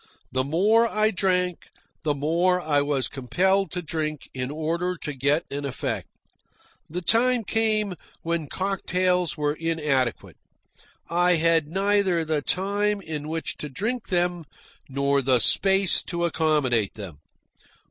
The more I drank, the more I was compelled to drink in order to get an effect. The time came when cocktails were inadequate. I had neither the time in which to drink them nor the space to accommodate them.